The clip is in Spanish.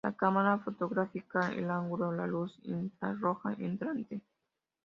La cámara fotografía el ángulo de la luz infrarroja entrante.